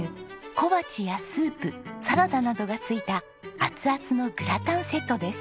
小鉢やスープサラダなどが付いた熱々のグラタンセットです。